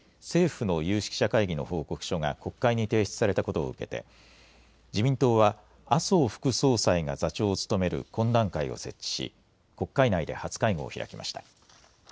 政府の有識者会議の報告書が国会に提出されたことを受けて自民党は麻生副総裁が座長を務める懇談会を設置し国会内で初会合を開きました。